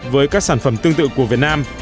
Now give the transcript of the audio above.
với các sản phẩm tương tự của việt nam